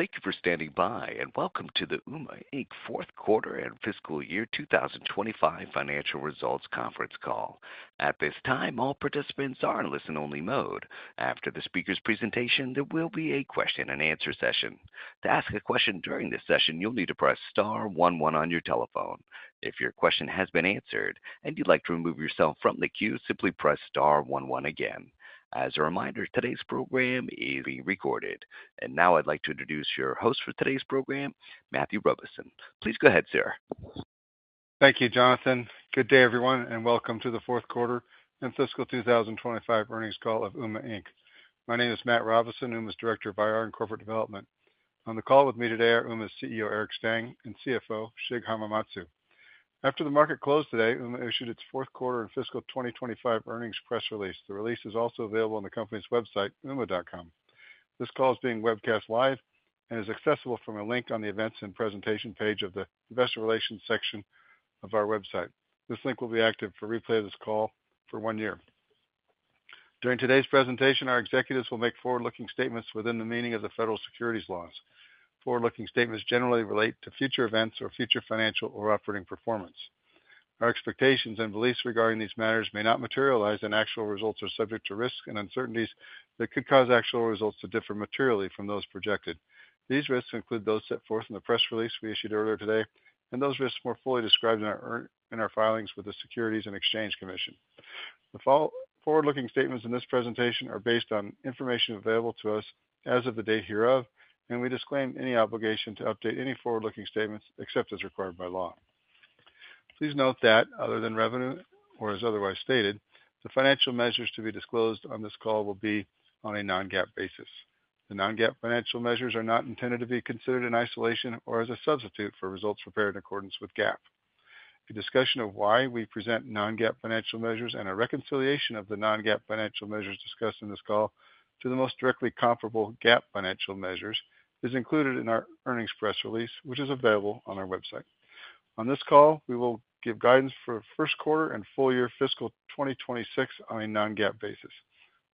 Thank you for standing by, and welcome to the Ooma Inc. Fourth Quarter and Fiscal Year 2025 Financial Results conference call. At this time, all participants are in listen-only mode. After the speaker's presentation, there will be a question-and-answer session. To ask a question during this session, you'll need to press star one, one on your telephone. If your question has been answered and you'd like to remove yourself from the queue, simply press star one, one again. As a reminder, today's program is being recorded. Now I'd like to introduce your host for today's program, Matthew Robison. Please go ahead, sir. Thank you, Jonathan. Good day, everyone, and welcome to the fourth quarter and fiscal 2025 earnings call of Ooma. My name is Matt Robison, Ooma's Director of IR and Corporate Development. On the call with me today are Ooma's CEO, Eric Stang, and CFO, Shig Hamamatsu. After the market closed today, Ooma issued its fourth quarter and fiscal 2025 earnings press release. The release is also available on the company's website, ooma.com. This call is being webcast live and is accessible from a link on the events and presentation page of the Investor Relations section of our website. This link will be active for replay of this call for one year. During today's presentation, our executives will make forward-looking statements within the meaning of the federal securities laws. Forward-looking statements generally relate to future events or future financial or operating performance. Our expectations and beliefs regarding these matters may not materialize, and actual results are subject to risks and uncertainties that could cause actual results to differ materially from those projected. These risks include those set forth in the press release we issued earlier today and those risks more fully described in our filings with the Securities and Exchange Commission. The forward-looking statements in this presentation are based on information available to us as of the date hereof, and we disclaim any obligation to update any forward-looking statements except as required by law. Please note that, other than revenue or as otherwise stated, the financial measures to be disclosed on this call will be on a non-GAAP basis. The non-GAAP financial measures are not intended to be considered in isolation or as a substitute for results prepared in accordance with GAAP. A discussion of why we present non-GAAP financial measures and a reconciliation of the non-GAAP financial measures discussed in this call to the most directly comparable GAAP financial measures is included in our earnings press release, which is available on our website. On this call, we will give guidance for first quarter and full year fiscal 2026 on a non-GAAP basis.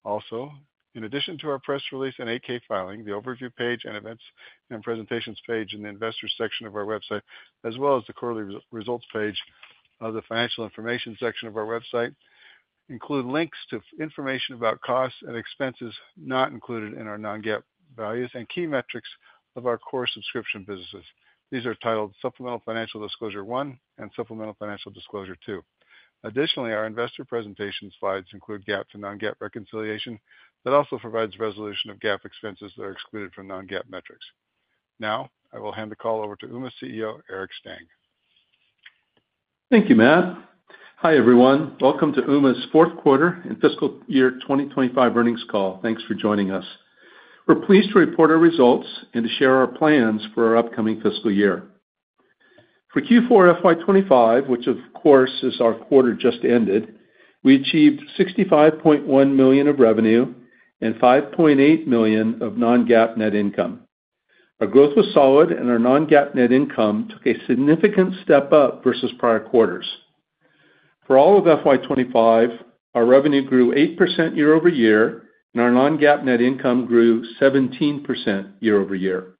Also, in addition to our press release and AK filing, the overview page and events and presentations page in the investors section of our website, as well as the quarterly results page of the financial information section of our website, include links to information about costs and expenses not included in our non-GAAP values and key metrics of our core subscription businesses. These are titled Supplemental Financial Disclosure One and Supplemental Financial Disclosure Two. Additionally, our investor presentation slides include GAAP to non-GAAP reconciliation that also provides resolution of GAAP expenses that are excluded from non-GAAP metrics. Now, I will hand the call over to Ooma's CEO, Eric Stang. Thank you, Matt. Hi, everyone. Welcome to Ooma's fourth quarter and fiscal year 2025 earnings call. Thanks for joining us. We're pleased to report our results and to share our plans for our upcoming fiscal year. For Q4 FY25, which of course is our quarter just ended, we achieved $65.1 million of revenue and $5.8 million of non-GAAP net income. Our growth was solid, and our non-GAAP net income took a significant step up versus prior quarters. For all of FY25, our revenue grew 8% year-over-year, and our non-GAAP net income grew 17% year-over-year.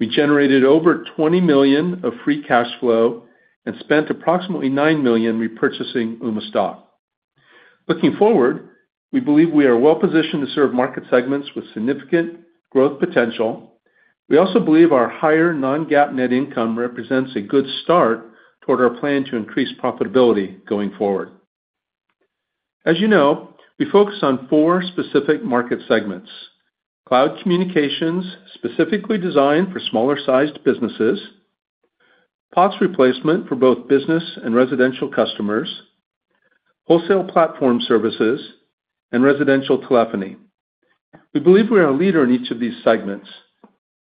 We generated over $20 million of free cash flow and spent approximately $9 million repurchasing Ooma stock. Looking forward, we believe we are well positioned to serve market segments with significant growth potential. We also believe our higher non-GAAP net income represents a good start toward our plan to increase profitability going forward. As you know, we focus on four specific market segments: cloud communications specifically designed for smaller-sized businesses, POS replacement for both business and residential customers, wholesale platform services, and residential telephony. We believe we are a leader in each of these segments.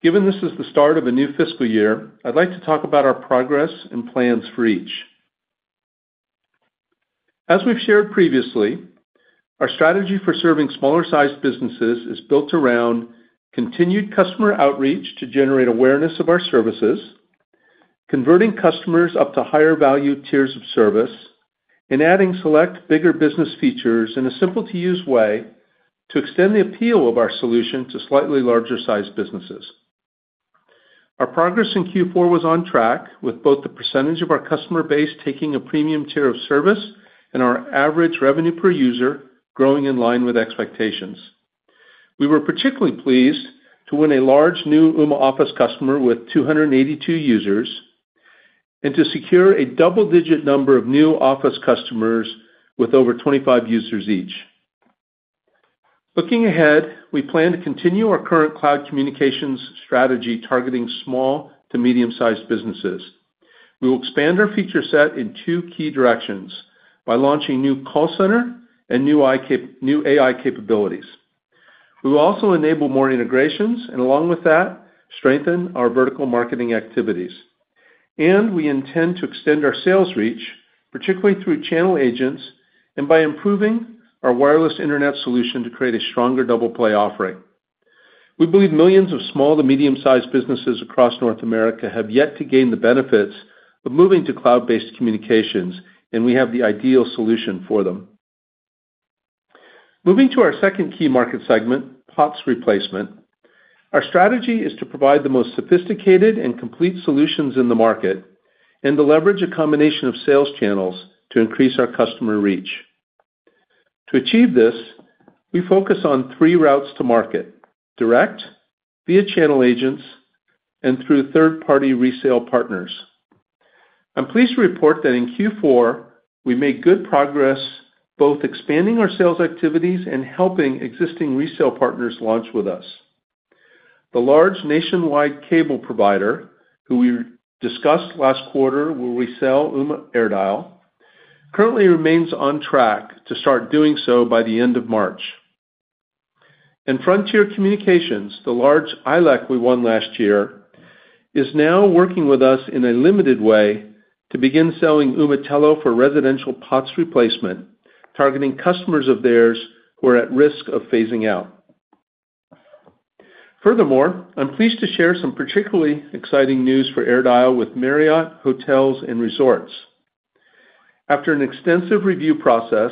Given this is the start of a new fiscal year, I would like to talk about our progress and plans for each. As we have shared previously, our strategy for serving smaller-sized businesses is built around continued customer outreach to generate awareness of our services, converting customers up to higher value tiers of service, and adding select bigger business features in a simple-to-use way to extend the appeal of our solution to slightly larger-sized businesses. Our progress in Q4 was on track, with both the percentage of our customer base taking a premium tier of service and our average revenue per user growing in line with expectations. We were particularly pleased to win a large new Ooma Office customer with 282 users and to secure a double-digit number of new Office customers with over 25 users each. Looking ahead, we plan to continue our current cloud communications strategy targeting small to medium-sized businesses. We will expand our feature set in two key directions by launching new call center and new AI capabilities. We will also enable more integrations and, along with that, strengthen our vertical marketing activities. We intend to extend our sales reach, particularly through channel agents and by improving our wireless internet solution to create a stronger double-play offering. We believe millions of small to medium-sized businesses across North America have yet to gain the benefits of moving to cloud-based communications, and we have the ideal solution for them. Moving to our second key market segment, POS replacement, our strategy is to provide the most sophisticated and complete solutions in the market and to leverage a combination of sales channels to increase our customer reach. To achieve this, we focus on three routes to market: direct, via channel agents, and through third-party resale partners. I'm pleased to report that in Q4, we made good progress both expanding our sales activities and helping existing resale partners launch with us. The large nationwide cable provider who we discussed last quarter will resell Ooma AirDial currently remains on track to start doing so by the end of March. Frontier Communications, the large ILEC we won last year, is now working with us in a limited way to begin selling Ooma Telo for residential POS replacement, targeting customers of theirs who are at risk of phasing out. Furthermore, I'm pleased to share some particularly exciting news for AirDial with Marriott Hotels and Resorts. After an extensive review process,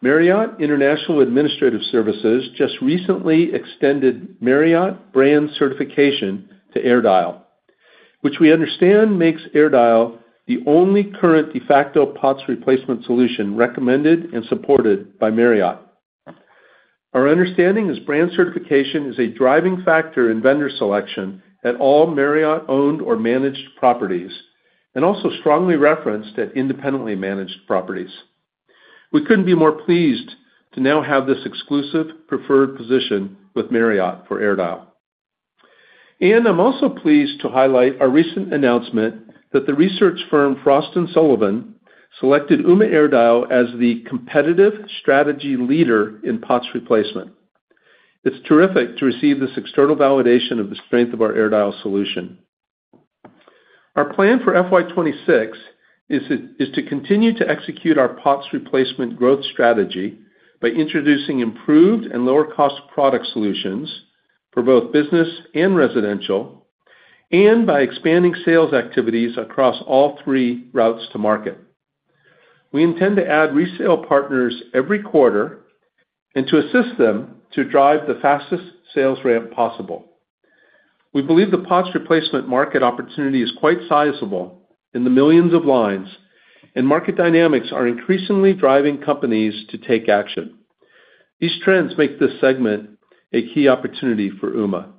Marriott International Administrative Services just recently extended Marriott brand certification to AirDial, which we understand makes AirDial the only current de facto POS replacement solution recommended and supported by Marriott. Our understanding is brand certification is a driving factor in vendor selection at all Marriott-owned or managed properties and also strongly referenced at independently managed properties. We couldn't be more pleased to now have this exclusive preferred position with Marriott for AirDial. I'm also pleased to highlight our recent announcement that the research firm Frost & Sullivan selected Ooma AirDial as the competitive strategy leader in POS replacement. It's terrific to receive this external validation of the strength of our AirDial solution. Our plan for FY26 is to continue to execute our POS replacement growth strategy by introducing improved and lower-cost product solutions for both business and residential and by expanding sales activities across all three routes to market. We intend to add resale partners every quarter and to assist them to drive the fastest sales ramp possible. We believe the POS replacement market opportunity is quite sizable in the millions of lines, and market dynamics are increasingly driving companies to take action. These trends make this segment a key opportunity for Ooma.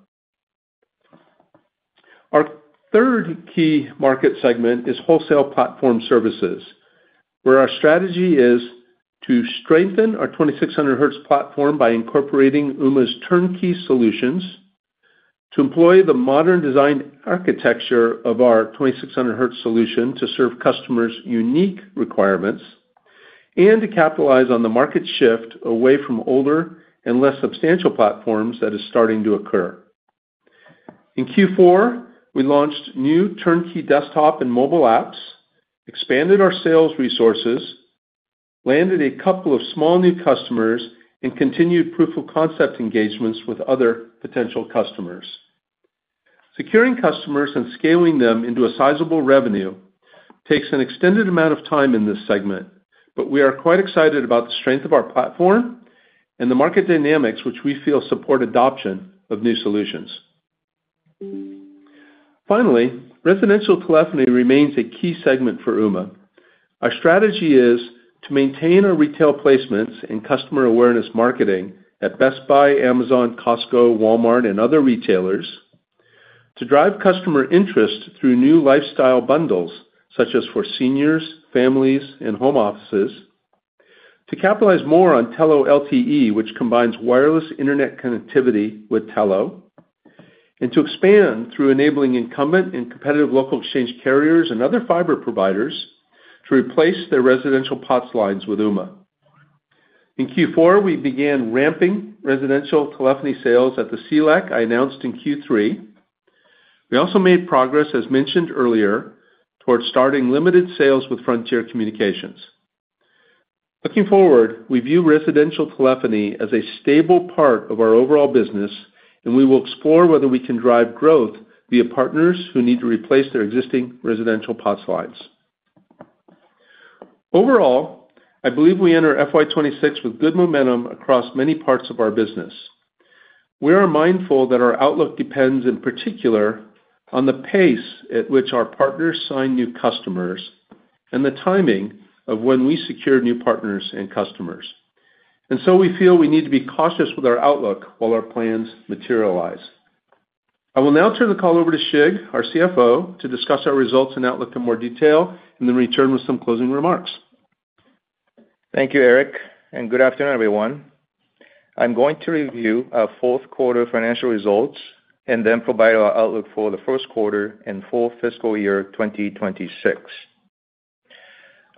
Our third key market segment is wholesale platform services, where our strategy is to strengthen our 2600Hz platform by incorporating Ooma's turnkey solutions, to employ the modern-designed architecture of our 2600Hz solution to serve customers' unique requirements, and to capitalize on the market shift away from older and less substantial platforms that is starting to occur. In Q4, we launched new turnkey desktop and mobile apps, expanded our sales resources, landed a couple of small new customers, and continued proof of concept engagements with other potential customers. Securing customers and scaling them into a sizable revenue takes an extended amount of time in this segment, but we are quite excited about the strength of our platform and the market dynamics which we feel support adoption of new solutions. Finally, residential telephony remains a key segment for Ooma. Our strategy is to maintain our retail placements and customer awareness marketing at Best Buy, Amazon, Costco, Walmart, and other retailers, to drive customer interest through new lifestyle bundles such as for seniors, families, and home offices, to capitalize more on Telo LTE, which combines wireless internet connectivity with Telo, and to expand through enabling incumbent and competitive local exchange carriers and other fiber providers to replace their residential POTS lines with Ooma. In Q4, we began ramping residential telephony sales at the CLEC I announced in Q3. We also made progress, as mentioned earlier, toward starting limited sales with Frontier Communications. Looking forward, we view residential telephony as a stable part of our overall business, and we will explore whether we can drive growth via partners who need to replace their existing residential POTS lines. Overall, I believe we enter FY26 with good momentum across many parts of our business. We are mindful that our outlook depends in particular on the pace at which our partners sign new customers and the timing of when we secure new partners and customers. We feel we need to be cautious with our outlook while our plans materialize. I will now turn the call over to Shigeyuki Hamamatsu, our CFO, to discuss our results and outlook in more detail and then return with some closing remarks. Thank you, Eric, and good afternoon, everyone. I'm going to review our fourth quarter financial results and then provide our outlook for the first quarter and full fiscal year 2026.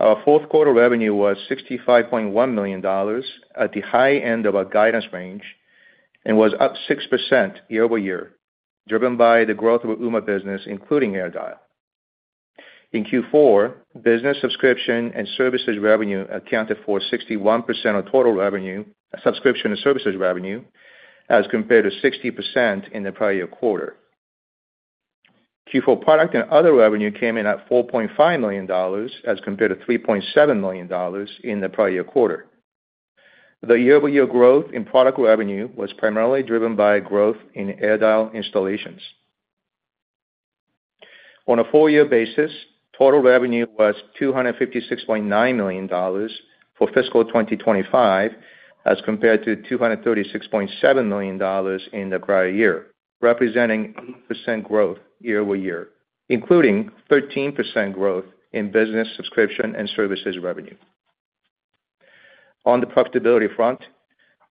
Our fourth quarter revenue was $65.1 million at the high end of our guidance range and was up 6% year-over-year, driven by the growth of Ooma business, including AirDial. In Q4, business subscription and services revenue accounted for 61% of total revenue, subscription and services revenue, as compared to 60% in the prior year quarter. Q4 product and other revenue came in at $4.5 million as compared to $3.7 million in the prior year quarter. The year-over-year growth in product revenue was primarily driven by growth in AirDial installations. On a four-year basis, total revenue was $256.9 million for fiscal 2025 as compared to $236.7 million in the prior year, representing 8% growth year-over-year, including 13% growth in business subscription and services revenue. On the profitability front,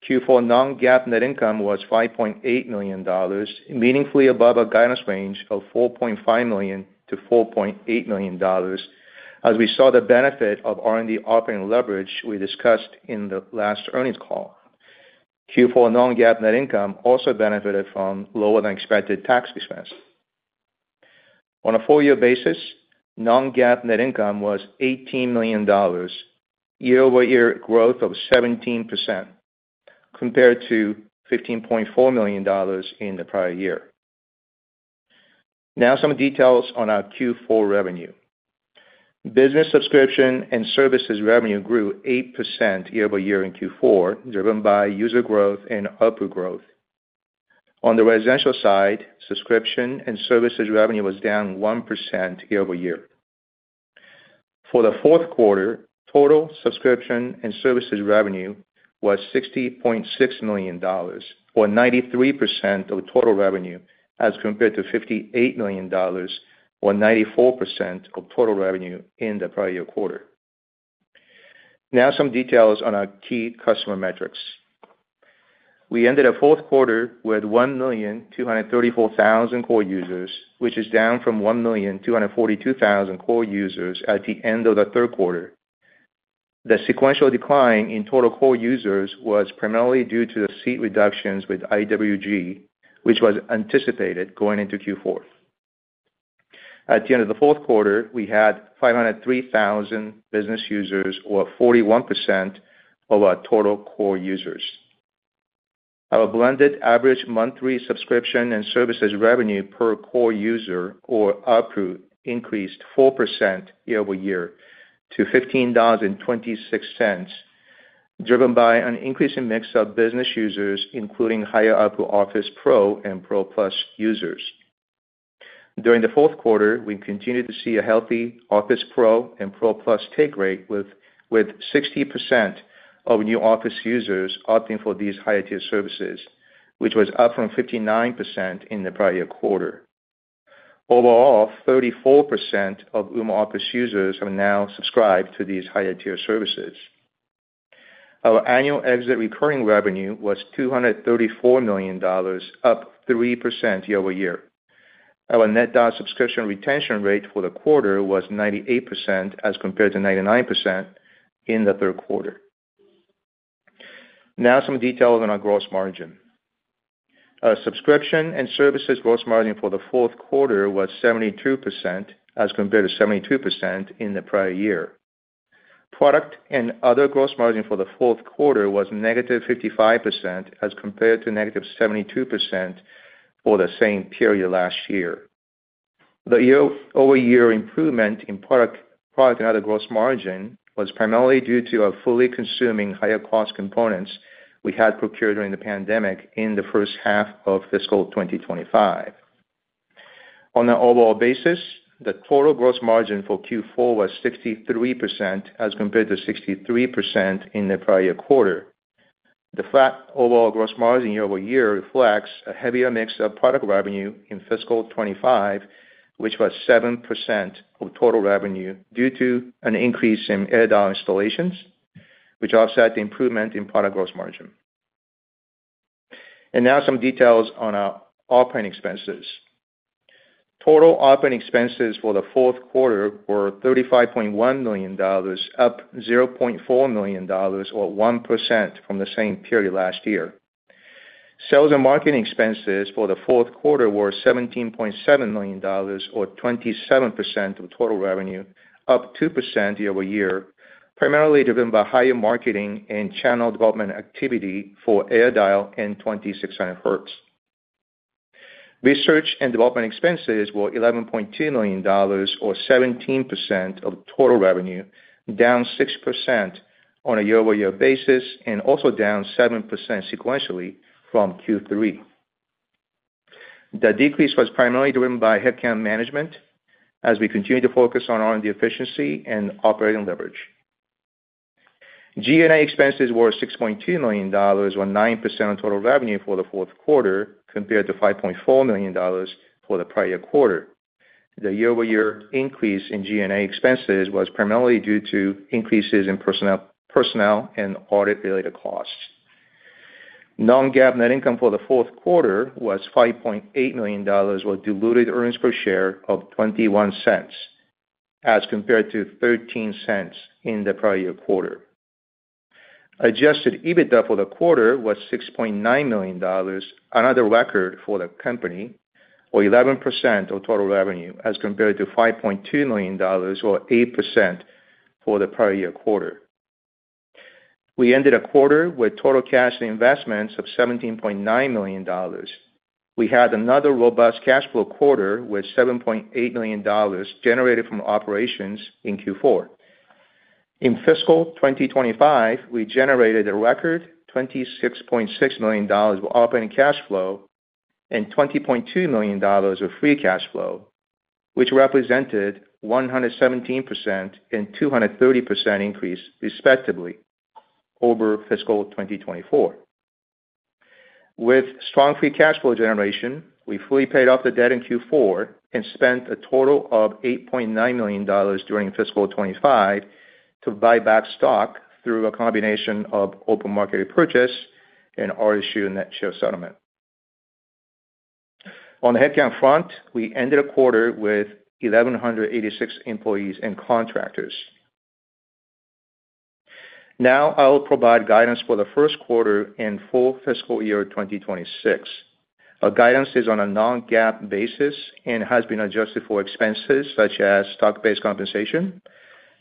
Q4 non-GAAP net income was $5.8 million, meaningfully above our guidance range of $4.5 million-$4.8 million, as we saw the benefit of R&D operating leverage we discussed in the last earnings call. Q4 non-GAAP net income also benefited from lower-than-expected tax expense. On a four-year basis, non-GAAP net income was $18 million, year-over-year growth of 17%, compared to $15.4 million in the prior year. Now, some details on our Q4 revenue. Business subscription and services revenue grew 8% year-over-year in Q4, driven by user growth and output growth. On the residential side, subscription and services revenue was down 1% year-over-year. For the fourth quarter, total subscription and services revenue was $60.6 million, or 93% of total revenue, as compared to $58 million, or 94% of total revenue in the prior year quarter. Now, some details on our key customer metrics. We ended our fourth quarter with 1,234,000 core users, which is down from 1,242,000 core users at the end of the third quarter. The sequential decline in total core users was primarily due to the seat reductions with IWG, which was anticipated going into Q4. At the end of the fourth quarter, we had 503,000 business users, or 41% of our total core users. Our blended average monthly subscription and services revenue per core user, or ARPU, increased 4% year-over-year to $15.26, driven by an increasing mix of business users, including higher-ARPU Office Pro and Pro Plus users. During the fourth quarter, we continued to see a healthy Office Pro and Pro Plus take rate with 60% of new Office users opting for these higher-tier services, which was up from 59% in the prior quarter. Overall, 34% of Ooma Office users have now subscribed to these higher-tier services. Our annual exit recurring revenue was $234 million, up 3% year-over-year. Our net DOS subscription retention rate for the quarter was 98% as compared to 99% in the third quarter. Now, some details on our gross margin. Our subscription and services gross margin for the fourth quarter was 72% as compared to 72% in the prior year. Product and other gross margin for the fourth quarter was negative 55% as compared to negative 72% for the same period last year. The year-over-year improvement in product and other gross margin was primarily due to our fully consuming higher-cost components we had procured during the pandemic in the first half of fiscal 2025. On an overall basis, the total gross margin for Q4 was 63% as compared to 63% in the prior quarter. The flat overall gross margin year-over-year reflects a heavier mix of product revenue in fiscal 2025, which was seven percent of total revenue due to an increase in AirDial installations, which offset the improvement in product gross margin. Now, some details on our operating expenses. Total operating expenses for the fourth quarter were $35.1 million, up $0.4 million, or one percent from the same period last year. Sales and marketing expenses for the fourth quarter were $17.7 million, or 27% of total revenue, up 2% year-over-year, primarily driven by higher marketing and channel development activity for AirDial and 2600Hz. Research and development expenses were $11.2 million, or 17% of total revenue, down six percent on a year-over-year basis and also down seven percent sequentially from Q3. The decrease was primarily driven by headcount management as we continued to focus on R&D efficiency and operating leverage. G&A expenses were $6.2 million, or nine percent of total revenue for the fourth quarter compared to $5.4 million for the prior quarter. The year-over-year increase in G&A expenses was primarily due to increases in personnel and audit-related costs. Non-GAAP net income for the fourth quarter was $5.8 million, or diluted earnings per share of $0.21, as compared to $0.13 in the prior year quarter. Adjusted EBITDA for the quarter was $6.9 million, another record for the company, or 11% of total revenue, as compared to $5.2 million, or 8% for the prior year quarter. We ended a quarter with total cash and investments of $17.9 million. We had another robust cash flow quarter with $7.8 million generated from operations in Q4. In fiscal 2025, we generated a record $26.6 million of operating cash flow and $20.2 million of free cash flow, which represented 117% and 230% increase, respectively, over fiscal 2024. With strong free cash flow generation, we fully paid off the debt in Q4 and spent a total of $8.9 million during fiscal 2025 to buy back stock through a combination of open market repurchase and RSU net share settlement. On the headcount front, we ended a quarter with 1,186 employees and contractors. Now, I will provide guidance for the first quarter and full fiscal year 2026. Our guidance is on a non-GAAP basis and has been adjusted for expenses such as stock-based compensation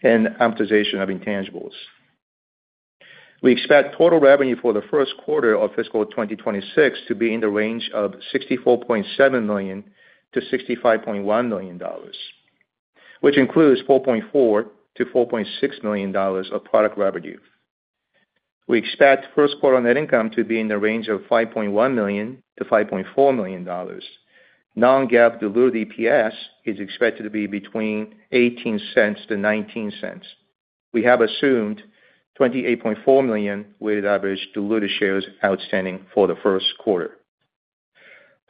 and amortization of intangibles. We expect total revenue for the first quarter of fiscal 2026 to be in the range of $64.7 million-$65.1 million, which includes $4.4-$4.6 million of product revenue. We expect first quarter net income to be in the range of $5.1 million-$5.4 million. Non-GAAP diluted EPS is expected to be between $0.18-$0.19. We have assumed $28.4 million with average diluted shares outstanding for the first quarter.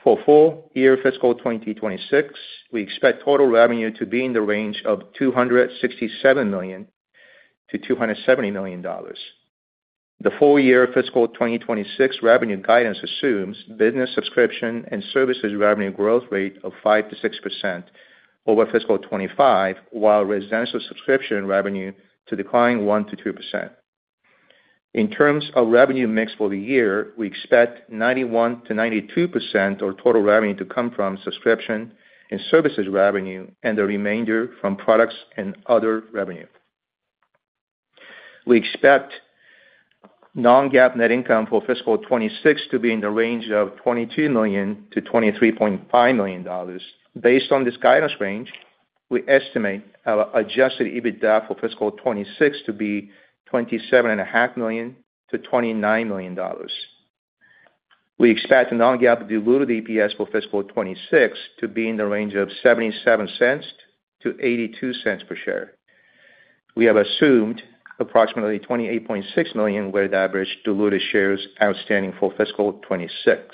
For full year fiscal 2026, we expect total revenue to be in the range of $267 million-$270 million. The full year fiscal 2026 revenue guidance assumes business subscription and services revenue growth rate of five to six percent over fiscal 2025, while residential subscription revenue to decline one to two percent. In terms of revenue mix for the year, we expect 91%-92% of total revenue to come from subscription and services revenue and the remainder from products and other revenue. We expect non-GAAP net income for fiscal 2026 to be in the range of $22 million-$23.5 million. Based on this guidance range, we estimate our adjusted EBITDA for fiscal 2026 to be $27.5 million-$29 million. We expect non-GAAP diluted EPS for fiscal 2026 to be in the range of $0.77-$0.82 per share. We have assumed approximately 28.6 million average diluted shares outstanding for fiscal 2026.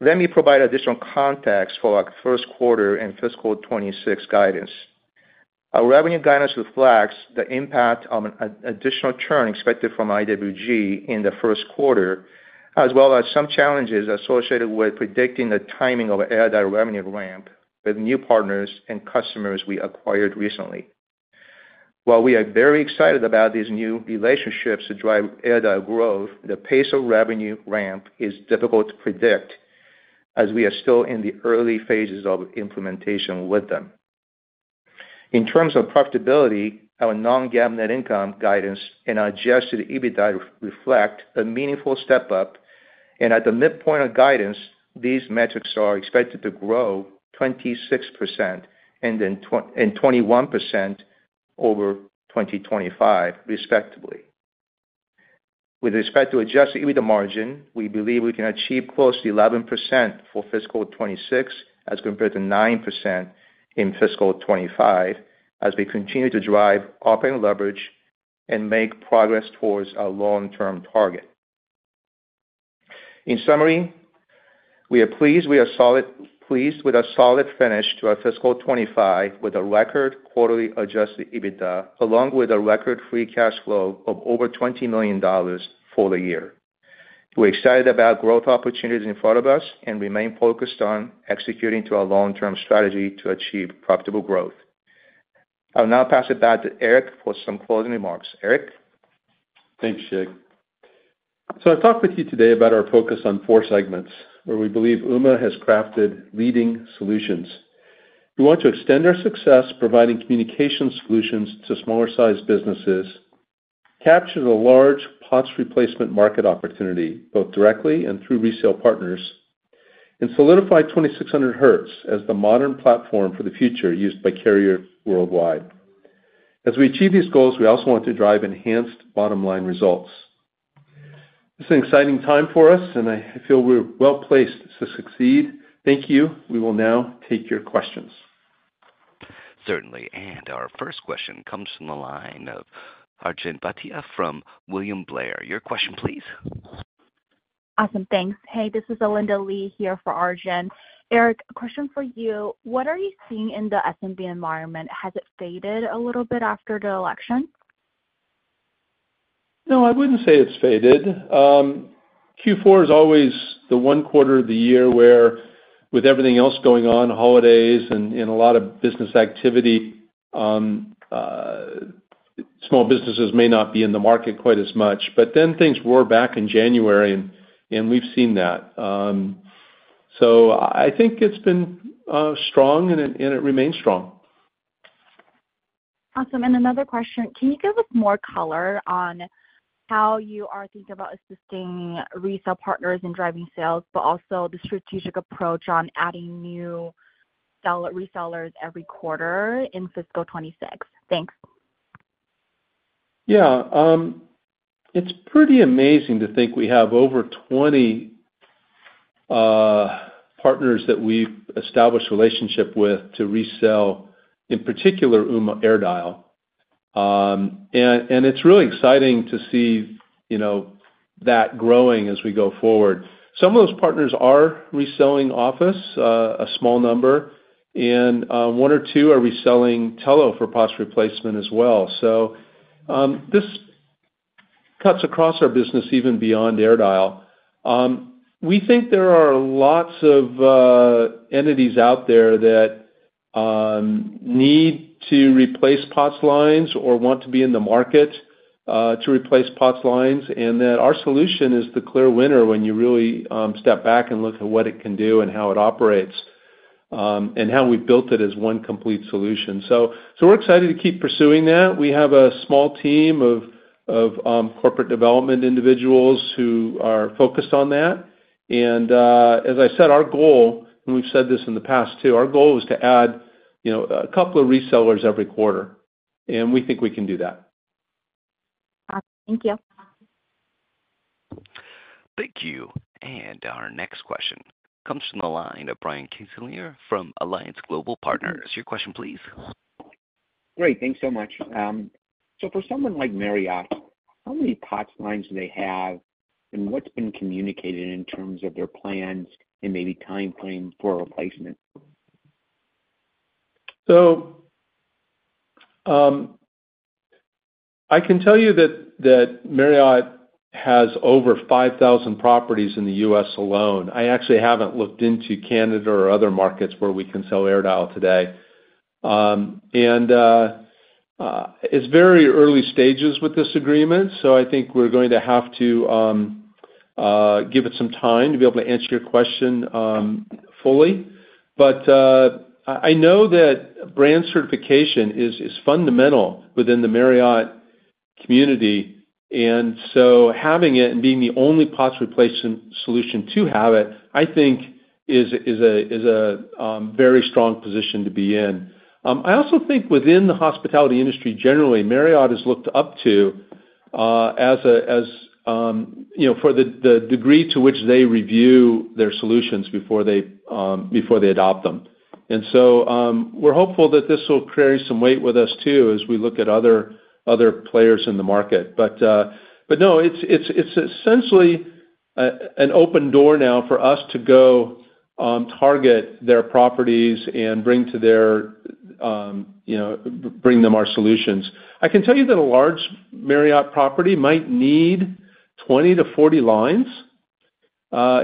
Let me provide additional context for our first quarter and fiscal 2026 guidance. Our revenue guidance reflects the impact of an additional churn expected from IWG in the first quarter, as well as some challenges associated with predicting the timing of AirDial revenue ramp with new partners and customers we acquired recently. While we are very excited about these new relationships to drive AirDial growth, the pace of revenue ramp is difficult to predict as we are still in the early phases of implementation with them. In terms of profitability, our non-GAAP net income guidance and our adjusted EBITDA reflect a meaningful step up, and at the midpoint of guidance, these metrics are expected to grow 26% and then 21% over 2025, respectively. With respect to adjusted EBITDA margin, we believe we can achieve close to 11% for fiscal 2026 as compared to 9% in fiscal 2025 as we continue to drive operating leverage and make progress towards our long-term target. In summary, we are pleased with a solid finish to our fiscal 2025 with a record quarterly adjusted EBITDA, along with a record free cash flow of over $20 million for the year. We're excited about growth opportunities in front of us and remain focused on executing to our long-term strategy to achieve profitable growth. I'll now pass it back to Eric for some closing remarks. Eric? Thanks, Shig. I have talked with you today about our focus on four segments, where we believe Ooma has crafted leading solutions. We want to extend our success providing communication solutions to smaller-sized businesses, capture the large POTS replacement market opportunity both directly and through resale partners, and solidify 2600Hz as the modern platform for the future used by carriers worldwide. As we achieve these goals, we also want to drive enhanced bottom-line results. This is an exciting time for us, and I feel we're well placed to succeed. Thank you. We will now take your questions. Certainly. Our first question comes from the line of Arjun Bhatia from William Blair. Your question, please. Awesome. Thanks. Hey, this is Alinda Li here for Arjun. Eric, a question for you. What are you seeing in the S&B environment? Has it faded a little bit after the election? No, I wouldn't say it's faded. Q4 is always the one quarter of the year where, with everything else going on, holidays and a lot of business activity, small businesses may not be in the market quite as much. Things roar back in January, and we've seen that. I think it's been strong, and it remains strong. Awesome. Another question. Can you give us more color on how you are thinking about assisting resale partners in driving sales, but also the strategic approach on adding new resellers every quarter in fiscal 2026? Thanks. Yeah. It's pretty amazing to think we have over 20 partners that we've established relationships with to resell, in particular, Ooma AirDial. It's really exciting to see that growing as we go forward. Some of those partners are reselling Office, a small number, and one or two are reselling Telo for POTS replacement as well. This cuts across our business even beyond AirDial. We think there are lots of entities out there that need to replace POTS lines or want to be in the market to replace POTS lines, and that our solution is the clear winner when you really step back and look at what it can do and how it operates and how we've built it as one complete solution. We are excited to keep pursuing that. We have a small team of corporate development individuals who are focused on that. As I said, our goal—and we've said this in the past, too—our goal is to add a couple of resellers every quarter, and we think we can do that. Awesome. Thank you. Thank you. Our next question comes from the line of Brian Kinstlinger from Alliance Global Partners. Your question, please. Great. Thanks so much. For someone like Marriott, how many POTS lines do they have, and what's been communicated in terms of their plans and maybe timeframe for replacement? I can tell you that Marriott has over 5,000 properties in the U.S. alone. I actually haven't looked into Canada or other markets where we can sell AirDial today. It's very early stages with this agreement, so I think we're going to have to give it some time to be able to answer your question fully. I know that brand certification is fundamental within the Marriott community, and having it and being the only POTS replacement solution to have it, I think, is a very strong position to be in. I also think within the hospitality industry generally, Marriott is looked up to for the degree to which they review their solutions before they adopt them. We're hopeful that this will carry some weight with us, too, as we look at other players in the market. No, it's essentially an open door now for us to go target their properties and bring them our solutions. I can tell you that a large Marriott property might need 20-40 lines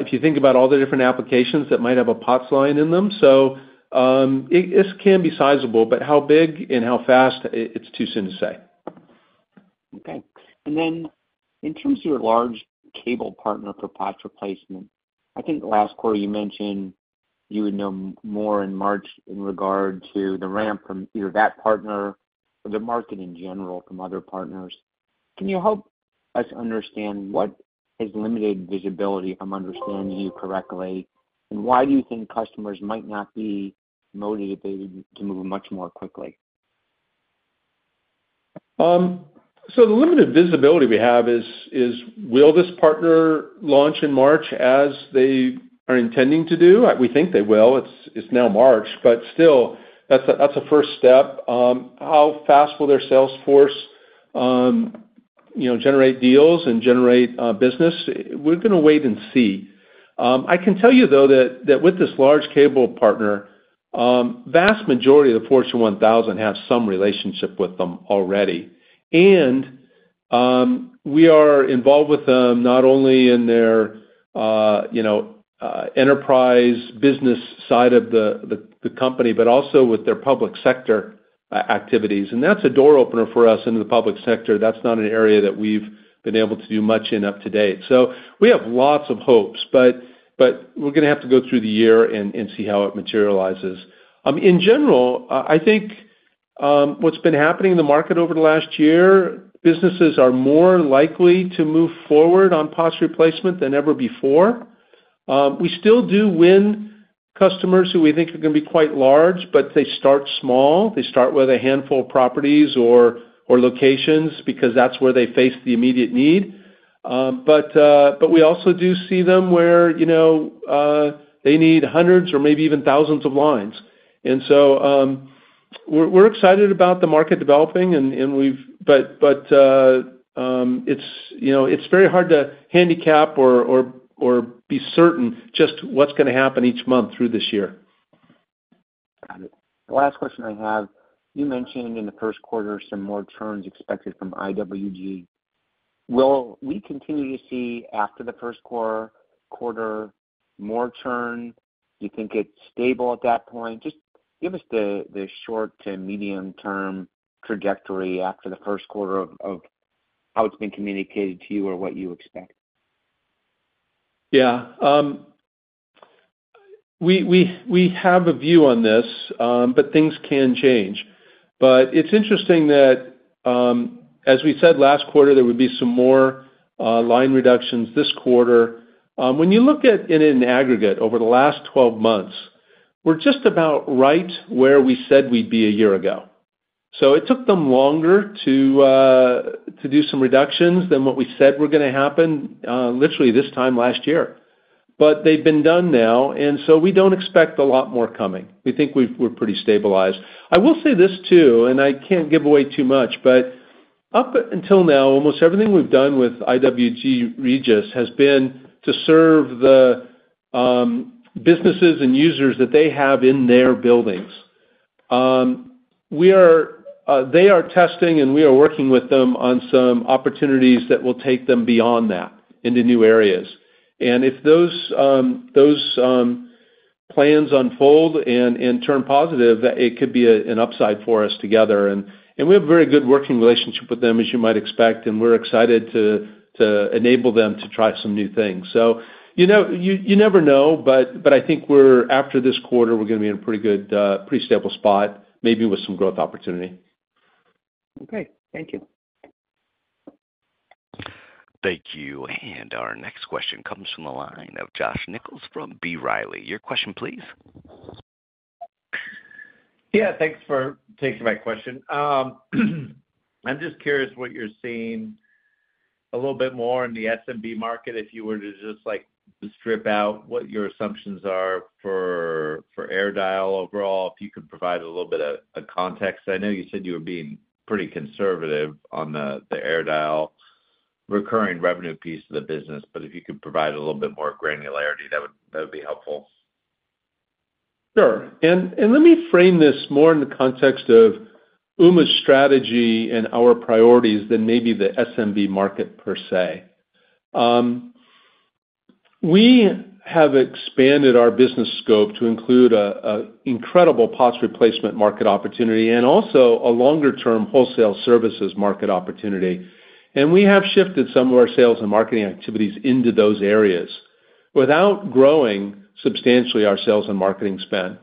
if you think about all the different applications that might have a parts line in them. This can be sizable, but how big and how fast, it's too soon to say. Okay. In terms of your large cable partner for parts replacement, I think last quarter you mentioned you would know more in March in regard to the ramp from either that partner or the market in general from other partners. Can you help us understand what has limited visibility, if I'm understanding you correctly, and why do you think customers might not be motivated to move much more quickly? The limited visibility we have is, will this partner launch in March as they are intending to do? We think they will. It is now March, but still, that is a first step. How fast will their sales force generate deals and generate business? We are going to wait and see. I can tell you, though, that with this large cable partner, the vast majority of the Fortune 1000 have some relationship with them already. We are involved with them not only in their enterprise business side of the company, but also with their public sector activities. That is a door opener for us into the public sector. That's not an area that we've been able to do much in up to date. We have lots of hopes, but we're going to have to go through the year and see how it materializes. In general, I think what's been happening in the market over the last year, businesses are more likely to move forward on parts replacement than ever before. We still do win customers who we think are going to be quite large, but they start small. They start with a handful of properties or locations because that's where they face the immediate need. We also do see them where they need hundreds or maybe even thousands of lines. We are excited about the market developing, but it's very hard to handicap or be certain just what's going to happen each month through this year. Got it. The last question I have, you mentioned in the first quarter some more churns expected from IWG. Will we continue to see after the first quarter more churn? Do you think it's stable at that point? Just give us the short to medium-term trajectory after the first quarter of how it's been communicated to you or what you expect. Yeah. We have a view on this, but things can change. It is interesting that, as we said last quarter, there would be some more line reductions this quarter. When you look at it in aggregate over the last 12 months, we're just about right where we said we'd be a year ago. It took them longer to do some reductions than what we said were going to happen literally this time last year. They have been done now, and we do not expect a lot more coming. We think we're pretty stabilized. I will say this too, and I can't give away too much, but up until now, almost everything we've done with IWG Regus has been to serve the businesses and users that they have in their buildings. They are testing, and we are working with them on some opportunities that will take them beyond that into new areas. If those plans unfold and turn positive, it could be an upside for us together. We have a very good working relationship with them, as you might expect, and we're excited to enable them to try some new things. You never know, but I think after this quarter, we're going to be in a pretty good, pretty stable spot, maybe with some growth opportunity. Okay. Thank you. Thank you. Our next question comes from the line of Josh Nichols from B. Riley. Your question, please. Yeah. Thanks for taking my question. I'm just curious what you're seeing a little bit more in the SMB market if you were to just strip out what your assumptions are for AirDial overall, if you could provide a little bit of context. I know you said you were being pretty conservative on the AirDial recurring revenue piece of the business, but if you could provide a little bit more granularity, that would be helpful. Sure. Let me frame this more in the context of Ooma's strategy and our priorities than maybe the SMB market per se. We have expanded our business scope to include an incredible parts replacement market opportunity and also a longer-term wholesale services market opportunity. We have shifted some of our sales and marketing activities into those areas without growing substantially our sales and marketing spend.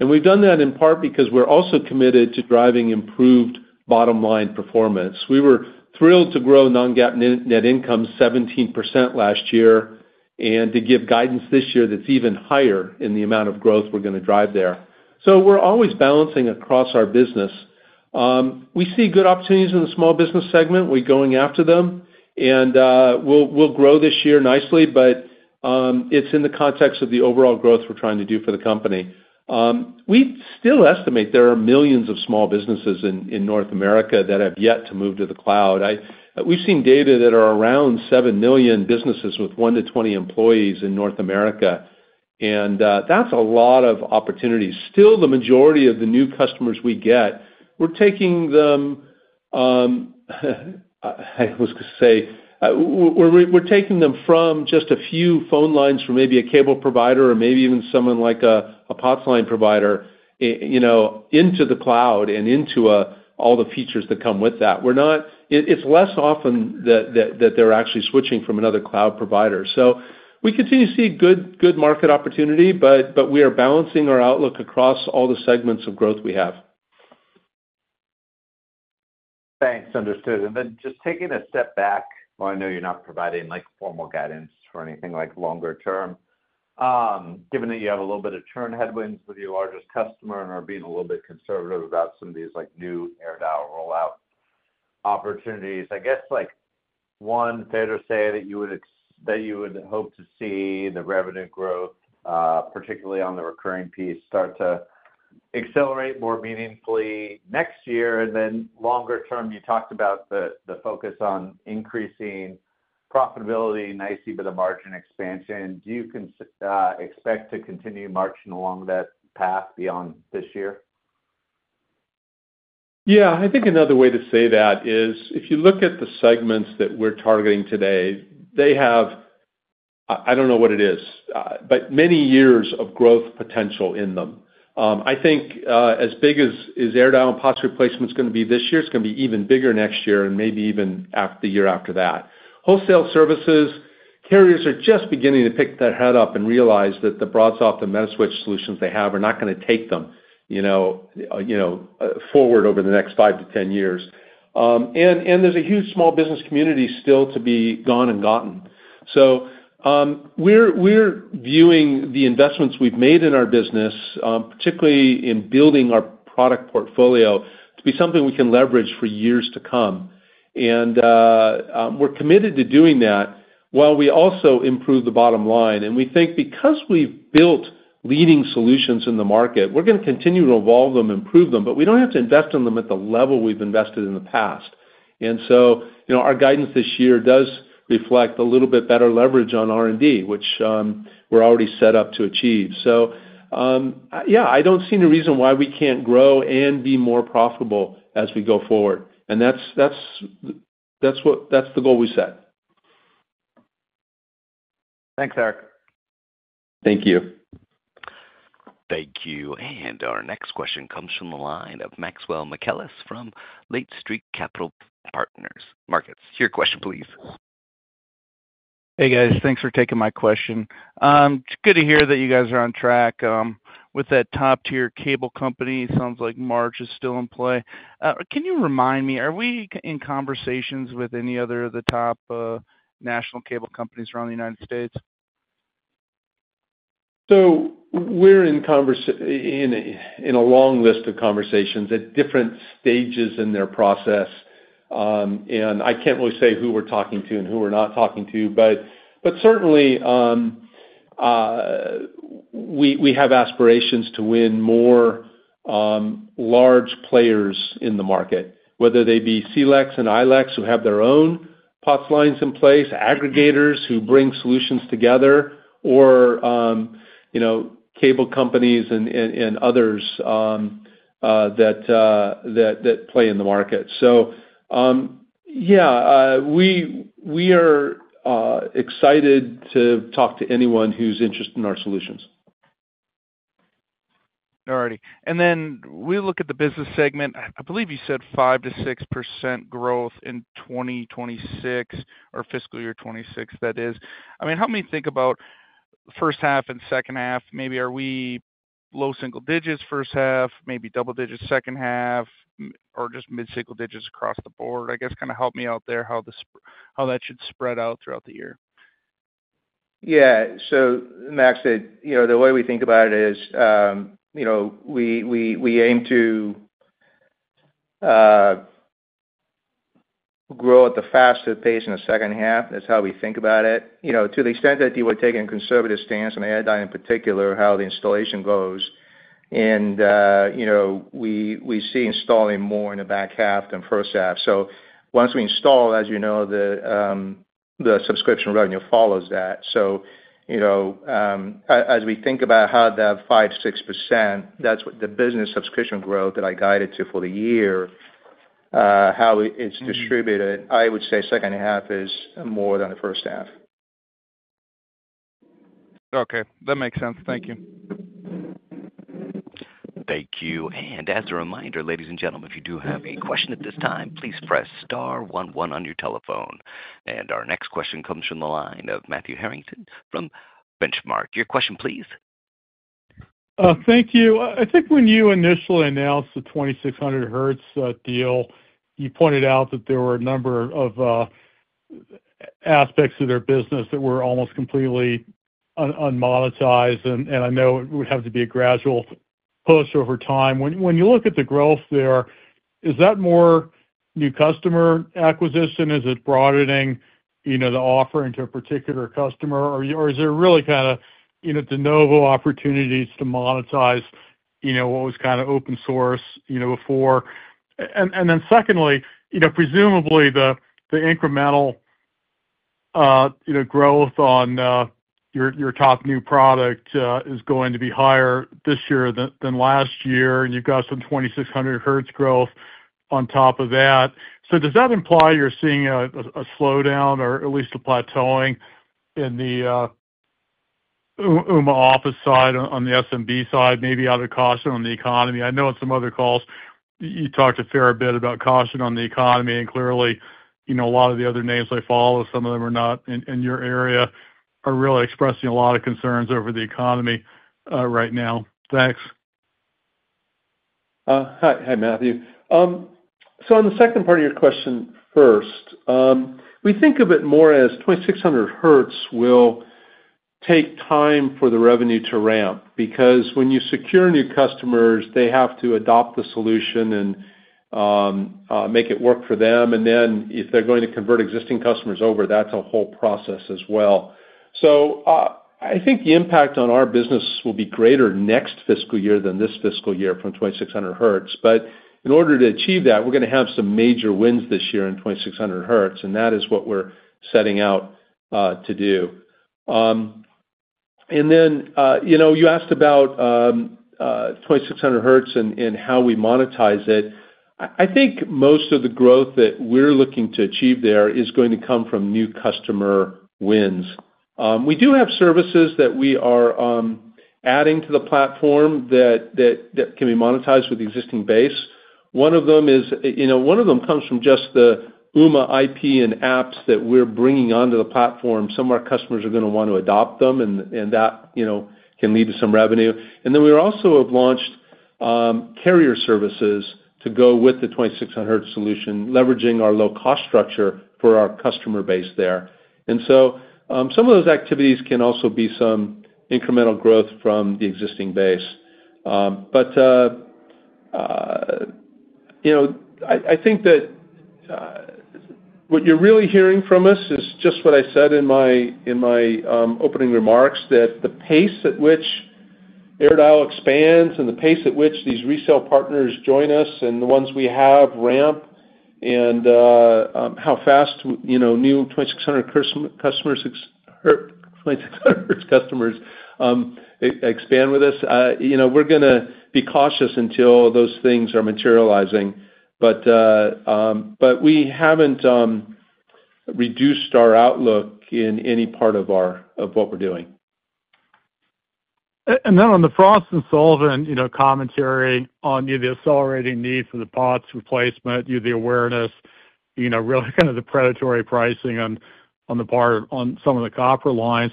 We've done that in part because we're also committed to driving improved bottom-line performance. We were thrilled to grow non-GAAP net income 17% last year and to give guidance this year that's even higher in the amount of growth we're going to drive there. We're always balancing across our business. We see good opportunities in the small business segment. We're going after them, and we'll grow this year nicely, but it's in the context of the overall growth we're trying to do for the company. We still estimate there are millions of small businesses in North America that have yet to move to the cloud. We've seen data that are around 7 million businesses with 1 to 20 employees in North America, and that's a lot of opportunities. Still, the majority of the new customers we get, we're taking them—I was going to say—we're taking them from just a few phone lines for maybe a cable provider or maybe even someone like a POTS line provider into the cloud and into all the features that come with that. It's less often that they're actually switching from another cloud provider. We continue to see good market opportunity, but we are balancing our outlook across all the segments of growth we have. Thanks. Understood. Just taking a step back, I know you're not providing formal guidance for anything longer-term. Given that you have a little bit of churn headwinds with your largest customer and are being a little bit conservative about some of these new AirDial rollout opportunities, I guess one fair to say that you would hope to see the revenue growth, particularly on the recurring piece, start to accelerate more meaningfully next year. Longer-term, you talked about the focus on increasing profitability, nice bit of margin expansion. Do you expect to continue marching along that path beyond this year? Yeah. I think another way to say that is if you look at the segments that we're targeting today, they have—I don't know what it is—but many years of growth potential in them. I think as big as AirDial and parts replacement is going to be this year, it's going to be even bigger next year and maybe even the year after that. Wholesale services carriers are just beginning to pick their head up and realize that the broads off the Metaswitch solutions they have are not going to take them forward over the next 5-10 years. There is a huge small business community still to be gone and gotten. We are viewing the investments we have made in our business, particularly in building our product portfolio, to be something we can leverage for years to come. We are committed to doing that while we also improve the bottom line. We think because we have built leading solutions in the market, we are going to continue to evolve them, improve them, but we do not have to invest in them at the level we have invested in the past. Our guidance this year does reflect a little bit better leverage on R&D, which we are already set up to achieve. Yeah, I don't see any reason why we can't grow and be more profitable as we go forward. That's the goal we set. Thanks, Eric. Thank you. Thank you. Our next question comes from the line of Max Michaelis from Lake Street Capital Markets. Max, your question, please. Hey, guys. Thanks for taking my question. It's good to hear that you guys are on track with that top-tier cable company. It sounds like March is still in play. Can you remind me, are we in conversations with any other of the top national cable companies around the United States? We're in a long list of conversations at different stages in their process. I can't really say who we're talking to and who we're not talking to, but certainly, we have aspirations to win more large players in the market, whether they be CLECs and ILECs, who have their own POTS lines in place, aggregators who bring solutions together, or cable companies and others that play in the market. Yeah, we are excited to talk to anyone who's interested in our solutions. All right. We look at the business segment. I believe you said five to six percent growth in 2026 or fiscal year 2026, that is. I mean, help me think about first half and second half. Maybe are we low single digits first half, maybe double digits second half, or just mid-single digits across the board? I guess kind of help me out there how that should spread out throughout the year. Yeah. Matt said the way we think about it is we aim to grow at the fastest pace in the second half. That's how we think about it. To the extent that you were taking a conservative stance on AirDial in particular, how the installation goes, and we see installing more in the back half than first half. Once we install, as you know, the subscription revenue follows that. As we think about how that five to six percent, that's the business subscription growth that I guided to for the year, how it's distributed. I would say second half is more than the first half. Okay. That makes sense. Thank you. Thank you. As a reminder, ladies and gentlemen, if you do have a question at this time, please press star one, one on your telephone. Our next question comes from the line of Matthew Harrington from Benchmark. Your question, please. Thank you. I think when you initially announced the 2600Hz deal, you pointed out that there were a number of aspects of their business that were almost completely unmonetized. I know it would have to be a gradual push over time. When you look at the growth there, is that more new customer acquisition? Is it broadening the offering to a particular customer? Or is there really kind of de novo opportunities to monetize what was kind of open source before? Secondly, presumably, the incremental growth on your top new product is going to be higher this year than last year, and you've got some 2600Hz growth on top of that. Does that imply you're seeing a slowdown or at least a plateauing in the Ooma Office side on the SMB side, maybe out of caution on the economy? I know in some other calls, you talked a fair bit about caution on the economy, and clearly, a lot of the other names I follow, some of them are not in your area, are really expressing a lot of concerns over the economy right now. Thanks. Hi, Matthew. On the second part of your question first, we think of it more as 2600Hz will take time for the revenue to ramp because when you secure new customers, they have to adopt the solution and make it work for them. If they're going to convert existing customers over, that's a whole process as well. I think the impact on our business will be greater next fiscal year than this fiscal year from 2600Hz. In order to achieve that, we're going to have some major wins this year in 2600Hz, and that is what we're setting out to do. You asked about 2600Hz and how we monetize it. I think most of the growth that we're looking to achieve there is going to come from new customer wins. We do have services that we are adding to the platform that can be monetized with existing base. One of them comes from just the Ooma IP and apps that we're bringing onto the platform. Some of our customers are going to want to adopt them, and that can lead to some revenue. We also have launched carrier services to go with the 2600Hz solution, leveraging our low-cost structure for our customer base there. Some of those activities can also be some incremental growth from the existing base. I think that what you're really hearing from us is just what I said in my opening remarks, that the pace at which AirDial expands and the pace at which these resale partners join us and the ones we have ramp and how fast new 2600Hz customers expand with us, we're going to be cautious until those things are materializing. We haven't reduced our outlook in any part of what we're doing. On the Frost & Sullivan commentary on the accelerating need for the POTS replacement, the awareness, really kind of the predatory pricing on some of the copper lines.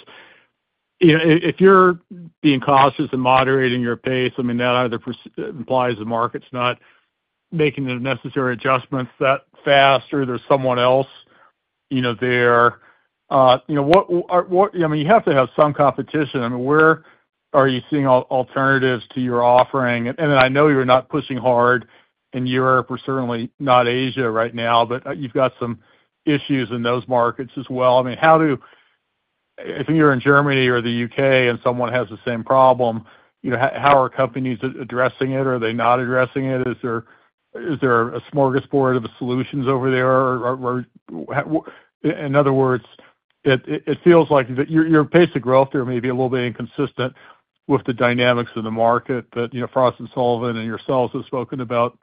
If you're being cautious and moderating your pace, I mean, that either implies the market's not making the necessary adjustments that fast or there's someone else there. I mean, you have to have some competition. I mean, where are you seeing alternatives to your offering? I know you're not pushing hard in Europe or certainly not Asia right now, but you've got some issues in those markets as well. I mean, if you're in Germany or the U.K. and someone has the same problem, how are companies addressing it? Are they not addressing it? Is there a smorgasbord of solutions over there? In other words, it feels like your pace of growth there may be a little bit inconsistent with the dynamics of the market that Frost & Sullivan and yourselves have spoken about.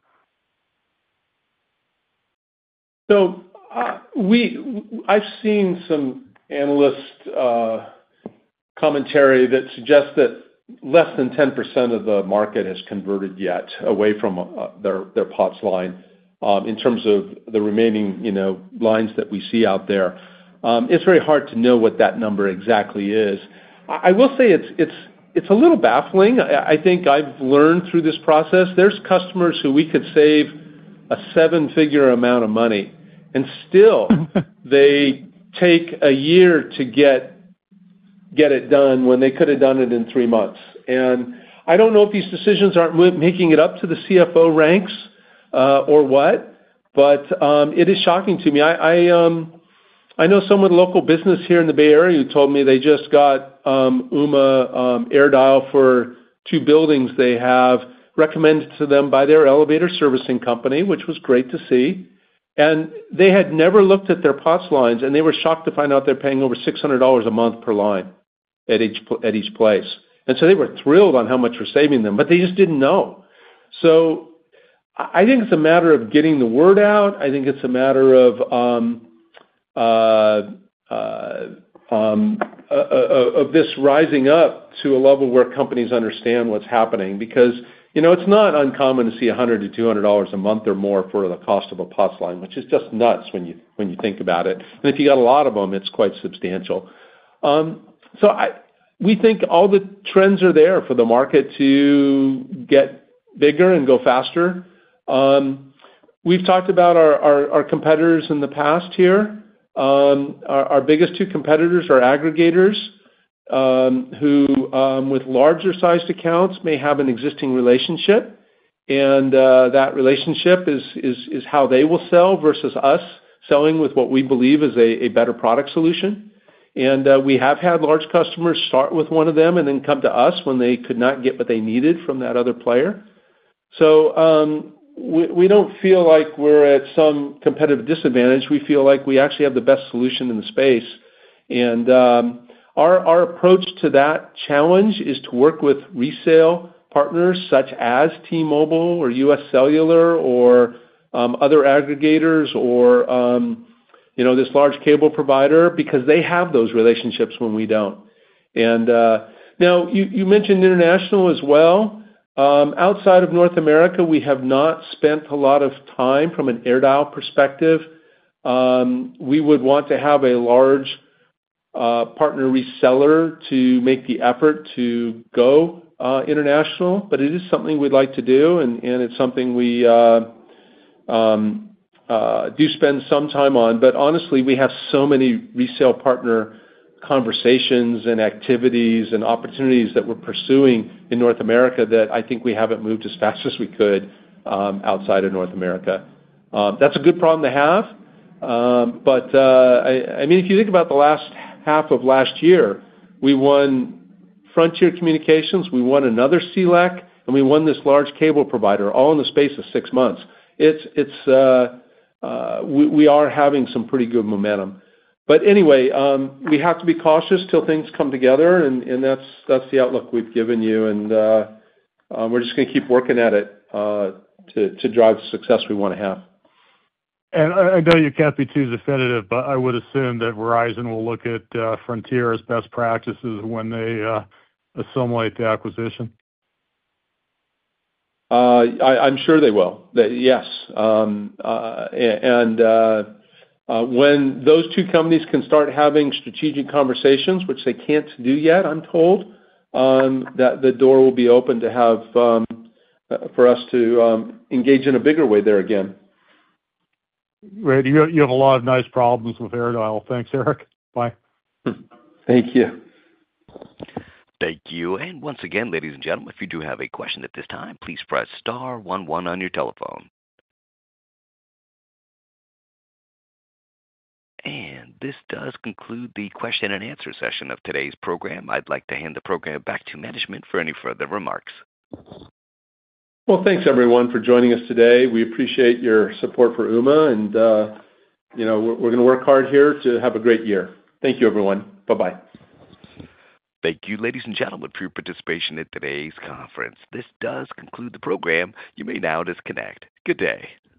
I've seen some analyst commentary that suggests that less than 10% of the market has converted yet away from their POTS line in terms of the remaining lines that we see out there. It's very hard to know what that number exactly is. I will say it's a little baffling. I think I've learned through this process. There's customers who we could save a seven-figure amount of money, and still they take a year to get it done when they could have done it in three months. I don't know if these decisions aren't making it up to the CFO ranks or what, but it is shocking to me. I know someone, a local business here in the Bay Area, who told me they just got Ooma AirDial for two buildings they have, recommended to them by their elevator servicing company, which was great to see. They had never looked at their POTS lines, and they were shocked to find out they're paying over $600 a month per line at each place. They were thrilled on how much we're saving them, but they just didn't know. I think it's a matter of getting the word out. I think it's a matter of this rising up to a level where companies understand what's happening because it's not uncommon to see $100-$200 a month or more for the cost of a POTS line, which is just nuts when you think about it. If you got a lot of them, it's quite substantial. We think all the trends are there for the market to get bigger and go faster. We've talked about our competitors in the past here. Our biggest two competitors are aggregators who, with larger-sized accounts, may have an existing relationship. That relationship is how they will sell versus us selling with what we believe is a better product solution. We have had large customers start with one of them and then come to us when they could not get what they needed from that other player. We do not feel like we are at some competitive disadvantage. We feel like we actually have the best solution in the space. Our approach to that challenge is to work with resale partners such as T-Mobile or UScellular or other aggregators or this large cable provider because they have those relationships when we do not. You mentioned international as well. Outside of North America, we have not spent a lot of time from an AirDial perspective. We would want to have a large partner reseller to make the effort to go international, but it is something we'd like to do, and it's something we do spend some time on. Honestly, we have so many resale partner conversations and activities and opportunities that we're pursuing in North America that I think we haven't moved as fast as we could outside of North America. That's a good problem to have. I mean, if you think about the last half of last year, we won Frontier Communications, we won another CLEC, and we won this large cable provider all in the space of six months. We are having some pretty good momentum. Anyway, we have to be cautious till things come together, and that's the outlook we've given you. We're just going to keep working at it to drive the success we want to have. I know you can't be too definitive, but I would assume that Verizon will look at Frontier as best practices when they assimilate the acquisition. I'm sure they will. Yes. When those two companies can start having strategic conversations, which they can't do yet, I'm told that the door will be open for us to engage in a bigger way there again. Right. You have a lot of nice problems with AirDial. Thanks, Eric. Bye. Thank you. Thank you. Once again, ladies and gentlemen, if you do have a question at this time, please press star 11 on your telephone. This does conclude the question and answer session of today's program. I would like to hand the program back to management for any further remarks. Thanks everyone for joining us today. We appreciate your support for Ooma, and we're going to work hard here to have a great year. Thank you, everyone. Bye-bye. Thank you, ladies and gentlemen, for your participation in today's conference. This does conclude the program. You may now disconnect. Good day.